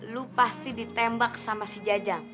lu pasti ditembak sama si jajang